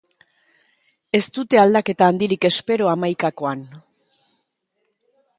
Ez dute aldaketa handirik espero hamaikakoan.